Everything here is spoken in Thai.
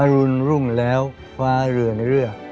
รุนรุ่งแล้วคว้าเรือในเรือ